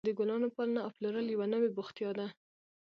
د ګلانو پالنه او پلورل یوه نوې بوختیا ده.